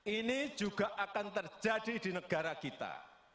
ini juga akan terjadi di negara kita